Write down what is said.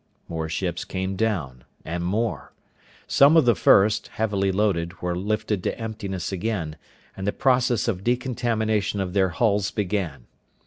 More ships came down, and more. Some of the first, heavily loaded, were lifted to emptiness again and the process of decontamination of their hulls began.